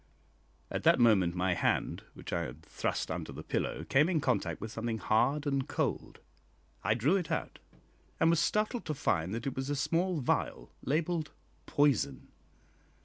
At that moment my hand, which I had thrust under the pillow, came in contact with something hard and cold. I drew it out, and was startled to find that it was a small vial labelled "POISON."